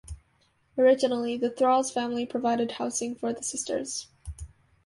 Originally, the Thralls family provided housing for the sisters.